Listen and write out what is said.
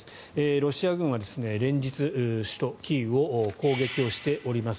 ロシア軍は連日首都キーウを攻撃しております。